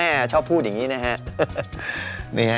ชอบพูดอย่างนี้นะฮะ